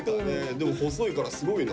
でも細いからすごいな。